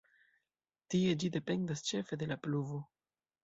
Tie ĝi dependas ĉefe de la pluvo.